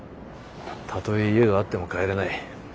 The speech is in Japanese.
たとえ家があっても帰れない。